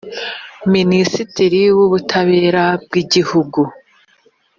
minisitiri w’ ubutabera bwigihugu.